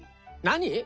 何？